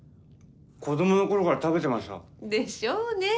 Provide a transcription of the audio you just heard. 子どもの頃から食べてました。でしょうね。